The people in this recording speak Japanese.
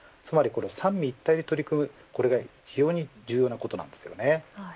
三位一体で取り組むこれが非常に重要なことです。